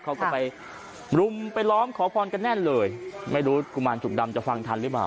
เขาก็ไปรุมไปล้อมขอพรกันแน่นเลยไม่รู้กุมารจุกดำจะฟังทันหรือเปล่า